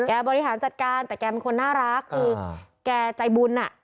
นี้แจ้บบุริหารจัดการแต่แกเฉินคนน่ารักคือแจ้บุญอ่ะ